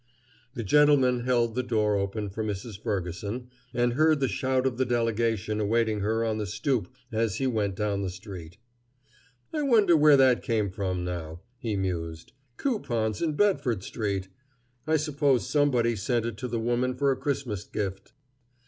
The gentleman held the door open for Mrs. Ferguson, and heard the shout of the delegation awaiting her on the stoop as he went down the street. "I wonder where that came from, now," he mused. "Coupons in Bedford street! I suppose somebody sent it to the woman for a Christmas gift.